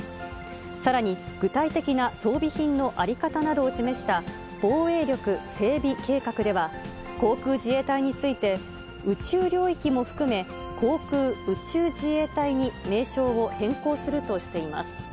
さらに、具体的な装備品の在り方などを示した防衛力整備計画では、航空自衛隊について、宇宙領域も含め、航空宇宙自衛隊に名称を変更するとしています。